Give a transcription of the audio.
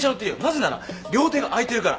なぜなら両手が空いてるから。